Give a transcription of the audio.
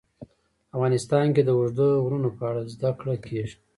افغانستان کې د اوږده غرونه په اړه زده کړه کېږي.